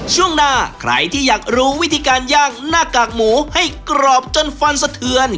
ช่วงหน้าใครที่อยากรู้วิธีการย่างหน้ากากหมูให้กรอบจนฟันสะเทือน